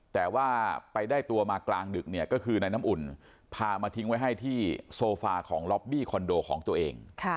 แต่ว่าไปได้ตัวมากลางดึกเนี่ยก็คือนายน้ำอุ่นพามาทิ้งไว้ให้ที่โซฟาของล็อบบี้คอนโดของตัวเอง